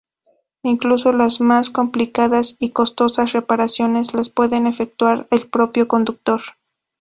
Incluso las más complicadas y costosas reparaciones las puede efectuar el propio conductor.